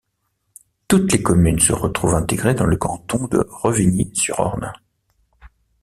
Toutes les communes se retrouvent intégrées dans le canton de Revigny-sur-Ornain.